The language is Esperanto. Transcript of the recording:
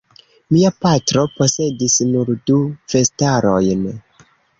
Mia patro posedis nur du vestarojn.